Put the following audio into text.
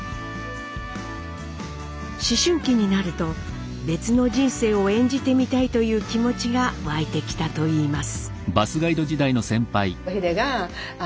思春期になると別の人生を演じてみたいという気持ちが湧いてきたといいます。